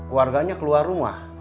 warganya keluar rumah